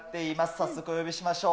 早速お呼びしましょう。